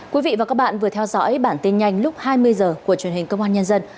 quý vị và các bạn vừa theo dõi bản tin nhanh lúc hai mươi h của truyền hình công an nhân dân